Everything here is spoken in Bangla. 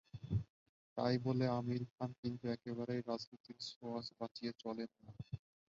তাই বলে আমির খান কিন্তু একেবারেই রাজনীতির ছোঁয়াচ বাঁচিয়ে চলেন না।